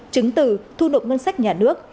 chứng từ thu nộp ngân sách nhà nước